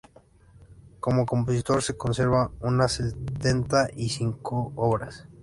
Como compositor se conservan unas setenta y cinco obras.